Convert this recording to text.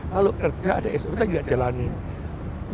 kalau kerja ada sop kita tidak jalanin